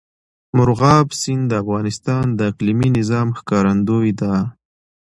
مورغاب سیند د افغانستان د اقلیمي نظام ښکارندوی ده.